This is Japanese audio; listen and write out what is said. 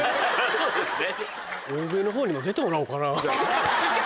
そうですね。